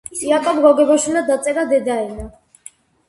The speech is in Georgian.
იაკობ გოგებაშვილმა დაწერა დედაენა.